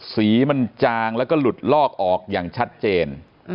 สีมันจางแล้วก็หลุดลอกออกอย่างชัดเจน